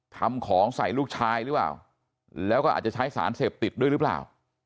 ทำของใส่ลูกชายหรือเปล่าแล้วก็อาจจะใช้สารเสพติดด้วยหรือเปล่า